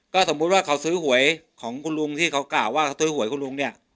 สมมุติว่าเขาซื้อหวยของคุณลุงที่เขากล่าวว่าเขาซื้อหวยคุณลุงเนี่ย